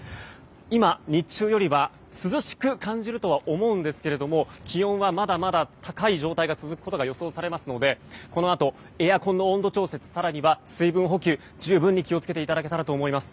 今、日中よりは涼しく感じるとは思うんですけど気温はまだまだ高い状態が続くことが予想されますのでこのあと、エアコンの温度調節更には水分補給十分に気を付けていただけたらと思います。